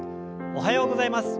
おはようございます。